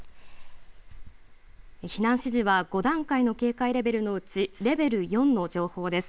避難指示は５段階の警戒レベルのうちレベル４の情報です。